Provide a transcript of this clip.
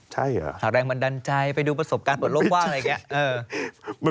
ใช่เหรอหากแรงมันดันใจไปดูประสบการณ์บนโลกว่างอะไรแบบนี้